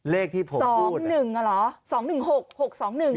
เลขที่ผมพูดเลย๒๑มันเหรอ